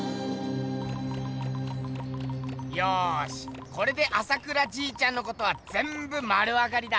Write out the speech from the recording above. よしこれで朝倉じいちゃんのことはぜんぶ丸わかりだ！